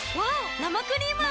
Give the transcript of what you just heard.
生クリーム泡。